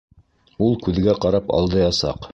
Ул күҙгә ҡарап алдаясаҡ.